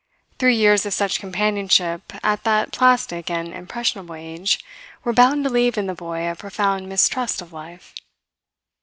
Three years of such companionship at that plastic and impressionable age were bound to leave in the boy a profound mistrust of life.